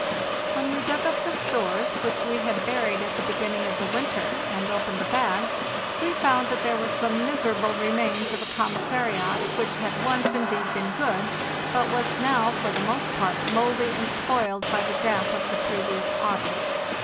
When we dug up the stores which we had buried at the beginning of the winter, and opened the bags, we found that there were some miserable remains of a commissariat which had once, indeed, been good, but was now for the most part mouldy and spoiled by the damp of the previous autumn.